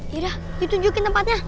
yaudah ditunjukin tempatnya